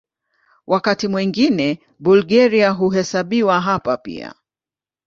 Wakati mwingine Bulgaria huhesabiwa hapa pia.